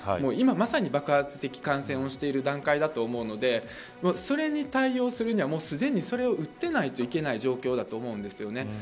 今まさに爆発的感染をしている段階だと思うんでそれに対応するには、すでに打っていないといけない状況だと思うんですよね。